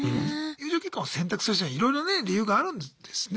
友情結婚を選択する人にはいろいろね理由があるんですね。